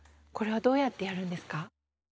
これはどうやってやるんですか？